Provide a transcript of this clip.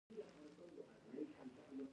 فیل ماشوم ساتي.